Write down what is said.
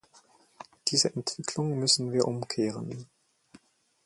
Diese Entwicklung müssen wir umkehren.